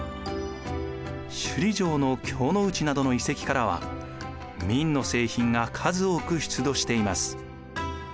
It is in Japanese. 首里城の京の内などの遺跡からは明の製品が数多く出土しています。